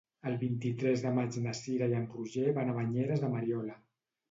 El vint-i-tres de maig na Cira i en Roger van a Banyeres de Mariola.